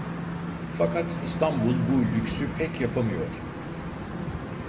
Fakat İstanbul bu lüksü pek yapamıyor.